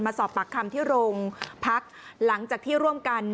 สอบปากคำที่โรงพักหลังจากที่ร่วมกัน